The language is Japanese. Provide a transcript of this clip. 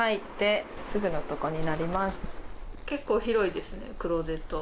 結構広いですねクローゼット。